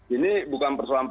ini bukan persoalan